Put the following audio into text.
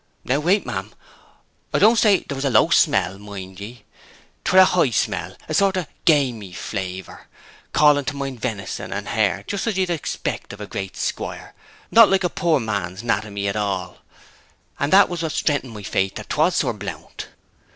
'Now, wait, ma'am. I don't say 'twere a low smell, mind ye. 'Twere a high smell, a sort of gamey flaviour, calling to mind venison and hare, just as you'd expect of a great squire, not like a poor man's 'natomy, at all; and that was what strengthened my faith that 'twas Sir Blount.'